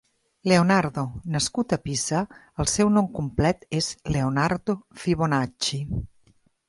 Leonardo: nascut a Pisa, el seu nom complet és Leonardo Fibonacci.